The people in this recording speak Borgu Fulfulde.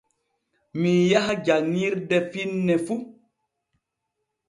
Mii yaha janŋirde finne fu.